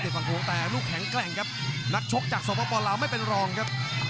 ฝั่งโขงแต่ลูกแข็งแกร่งครับนักชกจากสปลาวไม่เป็นรองครับ